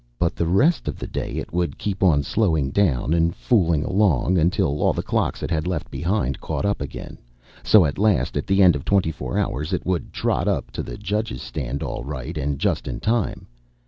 But the rest of the day it would keep on slowing down and fooling along until all the clocks it had left behind caught up again. So at last, at the end of twenty four hours, it would trot up to the judges' stand all right and just in time.